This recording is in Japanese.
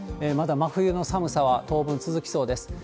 まだ真冬の寒さは当分続きそうです。